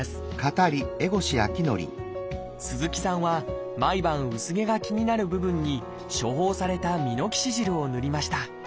鈴木さんは毎晩薄毛が気になる部分に処方されたミノキシジルを塗りました。